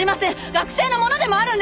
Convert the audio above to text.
学生のものでもあるんです！